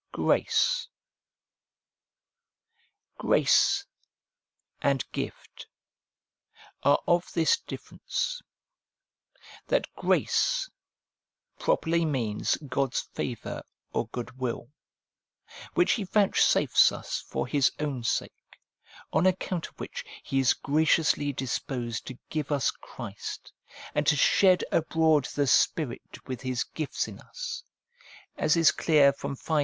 Grace ' and ' Gift ' are of this difference, that grace properly means God's favour or goodwill, which He vouchsafes us for His own sake, on account of which He is graciously disposed to give us Christ, and to shed abroad the Spirit with His gifts in us ; as is clear from v.